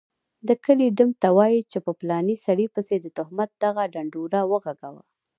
دکلي ډم ته وايي چي په پلاني سړي پسي دتهمت دغه ډنډوره وغږوه